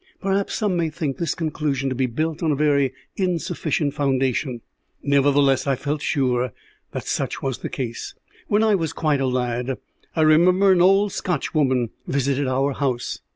Perhaps some may think this conclusion to be built on a very insufficient foundation, nevertheless I felt sure that such was the case. When I was quite a lad, I remember an old Scotchwoman visited our house.